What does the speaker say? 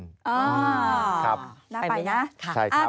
อ๋อน่าไปนะ